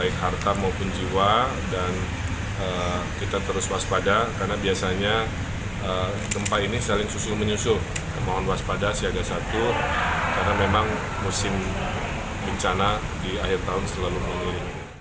karena memang musim bencana di akhir tahun selalu menunggu